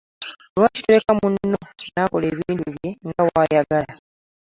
Lwaki toleka muno naakola ebintu bye nga wayagala?